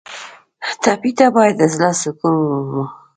ټپي ته باید د زړه سکون ومومو.